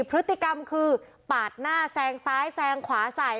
พฤติกรรมคือปาดหน้าแซงซ้ายแซงขวาใส่